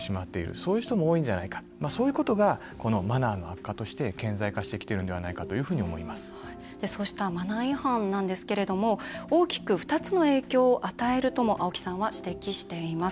そういう人も多いんじゃないかそうしたことがこのマナーの悪化として顕在化してきてるんじゃないかとそうしたマナー違反ですが大きく２つの影響を与えるとも青木さんは指摘しています。